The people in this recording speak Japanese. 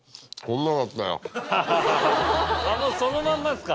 ハハハもうそのまんまですか？